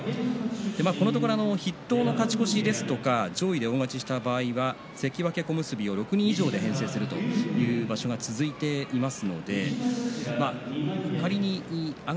このところ、筆頭の勝ち越しとか上位で勝ち越しとか上位で大勝ちした場合は関脇、小結を９人で構成するというのが続いています。